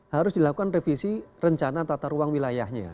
harus dilakukan revisi rencana tata ruang wilayahnya